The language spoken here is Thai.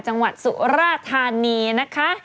จังหวัดสุราธานีนะคะ